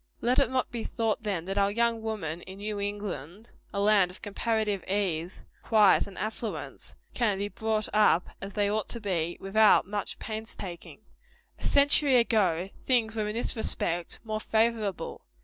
Let it not be thought, then, that our young women in New England a land of comparative ease, quiet and affluence can be brought up as they ought to be, without much pains taking. A century ago, things were, in this respect, more favorable.